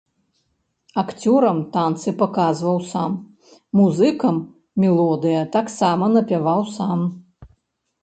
Акцёрам танцы паказваў сам, музыкам мелодыя таксама напяваў сам.